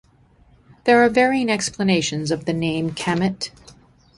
There are varying explanations of the name Kamet.